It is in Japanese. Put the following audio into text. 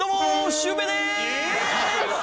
シュウペイです！